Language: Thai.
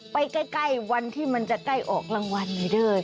ใกล้วันที่มันจะใกล้ออกรางวัลเลยเด้อ